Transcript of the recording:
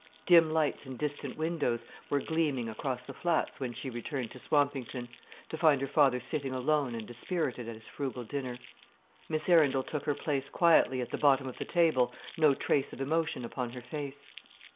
Dim lights in distant windows were gleaming across the flats when she returned to Swampington, to find her father sitting alone and dispirited at his frugal dinner. Miss Arundel took her place quietly at the bottom of the table, no trace of emotion upon her face.